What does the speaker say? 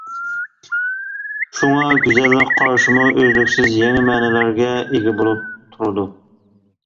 شۇڭا گۈزەللىك قارىشىمۇ ئۈزلۈكسىز يېڭى مەنىلەرگە ئىگە بولۇپ تۇرىدۇ.